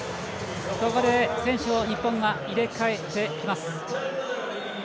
ここで選手を日本が入れ替えてきます。